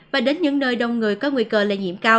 và đến những nơi đông người có nguy cơ lây nhiễm cao